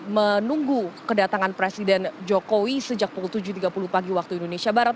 menunggu kedatangan presiden jokowi sejak pukul tujuh tiga puluh pagi waktu indonesia barat